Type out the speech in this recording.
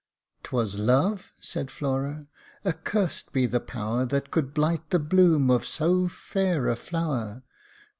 " 'Twas Love !" said Flora :" accursed be the power That could blight the bloom of so fair a flower.